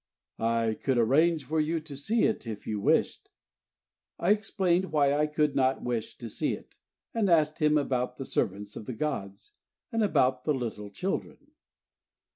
"I could arrange for you to see it if you wished." I explained why I could not wish to see it, and asked him about the Servants of the gods, and about the little children.